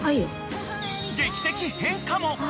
劇的変化も。